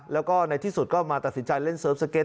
แล้วก็ในที่สุดก็มาตัดสินใจเล่นเสิร์ฟสเก็ต